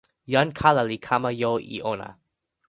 jan kala li kama jo e ona.